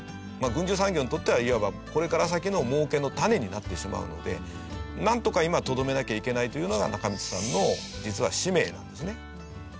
軍需産業にとってはいわばこれから先の儲けの種になってしまうのでなんとか今とどめなきゃいけないというのが中満さんの実は使命なんですね。